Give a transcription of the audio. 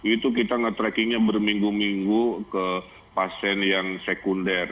itu kita nge trackingnya berminggu minggu ke pasien yang sekunder